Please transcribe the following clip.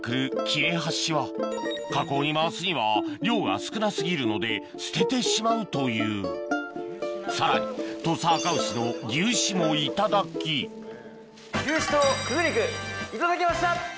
切れ端は加工に回すには量が少な過ぎるので捨ててしまうというさらに土佐あかうしの牛脂も頂き牛脂とくず肉頂きました！